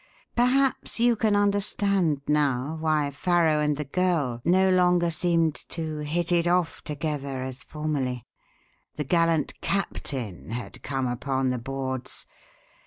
Perhaps you can understand now why Farrow and the girl no longer seemed to 'hit it off together as formerly.' The gallant captain had come upon the boards.